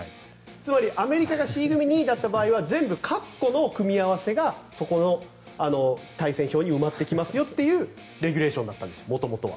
つまりアメリカがＣ組２位だった場合は全部括弧の組み合わせがそこの対戦表に埋まっていきますよというレギュレーションだったんです元々は。